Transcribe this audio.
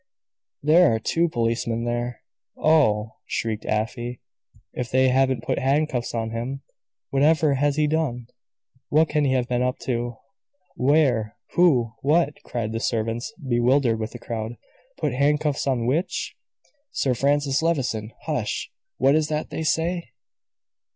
There are two policemen there! Oh!" shrieked Afy, "if they haven't put handcuffs on him! Whatever has he done? What can he have been up to?" "Where? Who? What?" cried the servants, bewildered with the crowd. "Put handcuffs on which?" "Sir Francis Levison. Hush! What is that they say?"